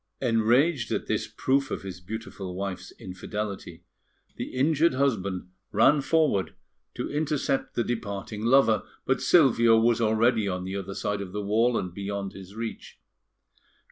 Enraged at this proof of his beautiful wife's infidelity, the injured husband ran forward to intercept the departing lover; but Silvio was already on the other side of the wall, and beyond his reach.